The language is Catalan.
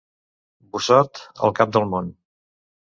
Busot, el cap del món.